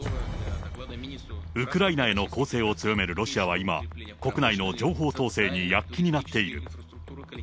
ウクライナへの攻勢を強めるロシアは今、国内の情報統制に躍起になっている。